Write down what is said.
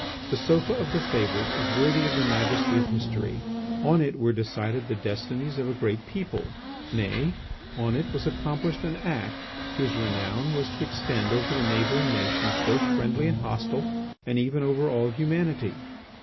The Sofa of the Favourite is worthy of the majesty of history; on it were decided the destinies of a great people; nay, on it was accomplished an act whose renown was to extend over the neighbouring nations both friendly and hostile, and even over all humanity.